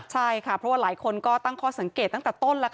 ใช่ค่ะเพราะว่าหลายคนก็ตั้งข้อสังเกตตั้งแต่ต้น